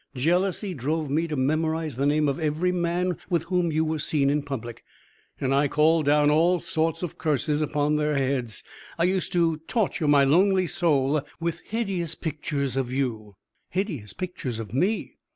Jealousy drove me to memorize the name of every man with whom you were seen in public, and I called down all sorts of curses upon their heads. I used to torture my lonely soul with hideous pictures of you " "Hideous pictures of me?"